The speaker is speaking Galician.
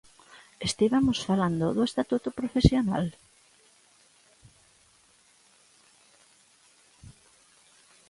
¿Estivemos falando do estatuto profesional?